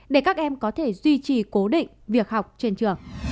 để các em có thể duy trì cố định việc học trên trường